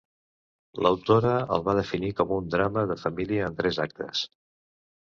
L'autora el va definir com un drama de família en tres actes.